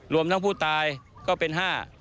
รวมทั้งผู้ตายก็เป็นห้า